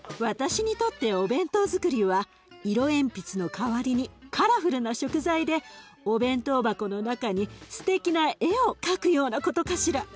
私にとってお弁当づくりは色鉛筆の代わりにカラフルな食材でお弁当箱の中にすてきな絵を描くようなことかしら。